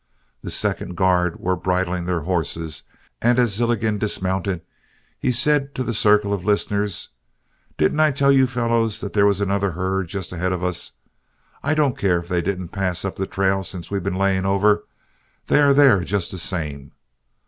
The second guard were bridling their horses, and as Zilligan dismounted, he said to the circle of listeners, "Didn't I tell you fellows that there was another herd just ahead of us? I don't care if they didn't pass up the trail since we've been laying over, they are there just the same.